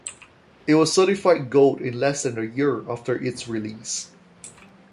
It was certified Gold in less than a year after its release.